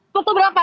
tutup berapa pak